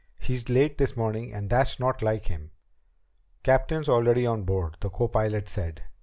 "He's late this morning, and that's not like him." "Captain's already on board," the copilot said.